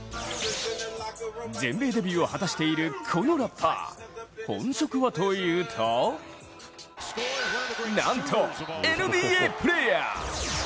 全米デビューを果たしているこのラッパー本職はというとなんとＮＢＡプレーヤー。